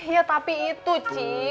ya tapi itu cik